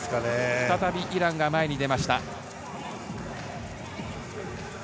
再びイランが前に出ました。